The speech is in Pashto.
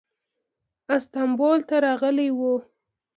استانبول ته راغلی و.